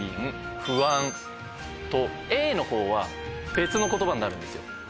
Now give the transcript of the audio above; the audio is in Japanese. Ａのほうは別の言葉になるんですよ。